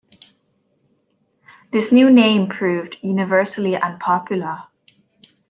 This new name proved universally unpopular.